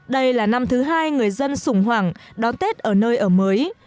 đây là năm thứ hai người dân sùng hoàng đón tết ở nơi ở mới